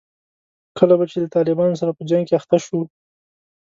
کله به چې له طالبانو سره په جنګ کې اخته شوو.